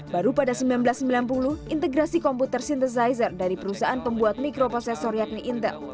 baru pada seribu sembilan ratus sembilan puluh integrasi komputer synthesizer dari perusahaan pembuat mikroposesor yakni intel